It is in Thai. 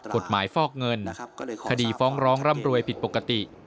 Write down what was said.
ฟอกเงินคดีฟ้องร้องร่ำรวยผิดปกติ